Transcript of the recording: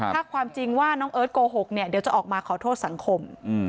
ถ้าความจริงว่าน้องเอิร์ทโกหกเนี่ยเดี๋ยวจะออกมาขอโทษสังคม